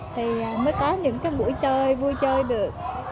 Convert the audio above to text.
thì mới có những cái buổi chơi vui chơi được